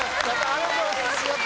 ありがとうございます。